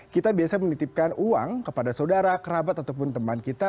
kita biasa menitipkan uang kepada saudara kerabat ataupun teman kita